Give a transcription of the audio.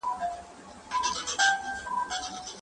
د يار جفاوو ته يې سر ټيټ کړ صندان مې شو زړه